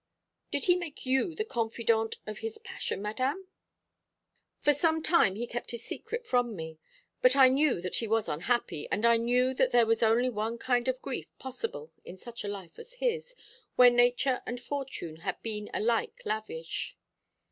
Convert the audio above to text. "Did he make you the confidante of his passion, Madame?" "For some time he kept his secret from me; but I knew that he was unhappy, and I knew that there was only one kind of grief possible in such a life as his, where nature and fortune had been alike lavish.